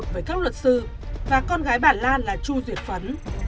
với các luật sư và con gái bà lan là chu duyệt phấn